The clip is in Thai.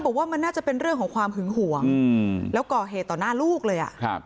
บอกว่ามันน่าจะเป็นเรื่องของความหึงห่วงแล้วก่อเหตุต่อหน้าลูกเลย